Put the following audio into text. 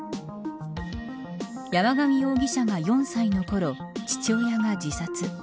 山上容疑者が４歳のころ父親が自殺。